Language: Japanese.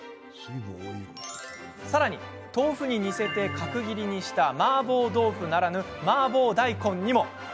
さらに豆腐に似せて角切りにしたマーボー豆腐ならぬマーボー大根にも。